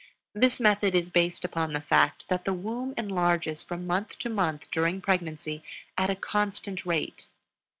This method is based upon the fact that the womb enlarges from month to month during pregnancy at a constant rate.